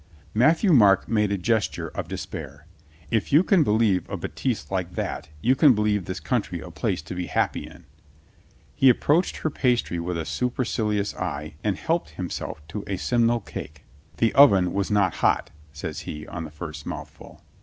Matthieu Marc made a gesture of despair. "If you can believe a betise like that you can believe this country a place to be happy in." He approached her pastry with a supercilious eye and helped him self to a simnel cake. "The oven was not hot," says he on the first mouthful.